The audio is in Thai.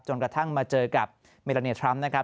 กระทั่งมาเจอกับเมลาเนียทรัมป์นะครับ